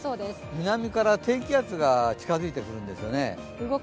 南から低気圧が近づいてくるんですよね。